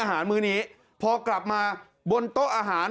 มื้อนี้พอกลับมาบนโต๊ะอาหาร